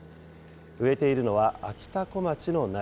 植えているのはあきたこまちの苗。